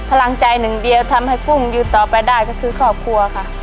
พลังใจหนึ่งเดียวทำให้กุ้งอยู่ต่อไปได้ก็คือครอบครัวค่ะ